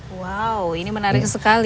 wow ini menarik sekali